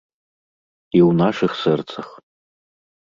І ў нашых сэрцах.